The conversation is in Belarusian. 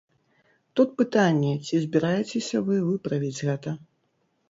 Тут пытанне, ці збіраецеся вы выправіць гэта?